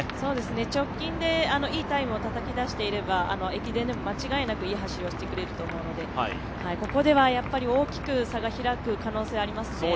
直近でいいタイムをたたき出していれば、駅伝でも間違いなくいい走りをしてくれると思うので、ここでは大きく差が開く可能性はありますね。